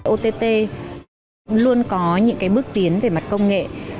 ott luôn có những bước tiến về mặt công nghệ